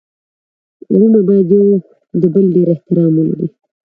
ورونه باید يو د بل ډير احترام ولري.